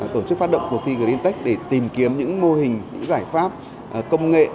tổ chức phát động cuộc thi greentech để tìm kiếm những mô hình những giải pháp công nghệ